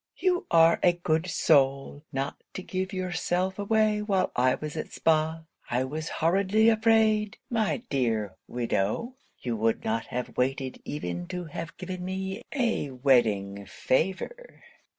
You are a good soul, not to give yourself away while I was at Spa. I was horridly afraid, my dear widow! you would not have waited even to have given me a wedding favour.'